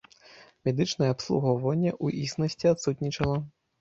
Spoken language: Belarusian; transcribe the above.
Медычнае абслугоўванне, у існасці, адсутнічала.